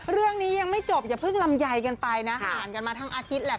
เรื่องนี้ยังไม่จบอย่าเพิ่งลำไยกันไปนะอ่านกันมาทั้งอาทิตย์แหละ